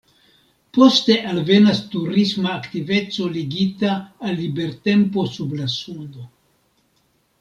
Poste alvenas turisma aktiveco ligita al libertempo sub la suno.